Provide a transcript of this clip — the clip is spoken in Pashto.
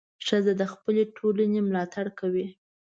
ښځه د خپلې ټولنې ملاتړ کوي.